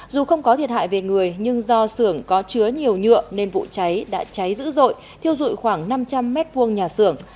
dù không có thiệt hại về người nhưng do xưởng có chứa nhiều nhựa nên vụ cháy đã cháy dữ dội thiêu dụi khoảng năm trăm linh m hai nhà xưởng